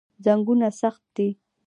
زنګونونه سخت دي.